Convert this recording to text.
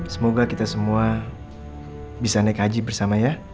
semoga kita semua bisa naik haji bersama ya